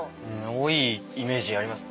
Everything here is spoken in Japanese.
多いイメージあります。